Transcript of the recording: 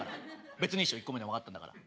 別にいいっしょ１個目でも分かったんだから。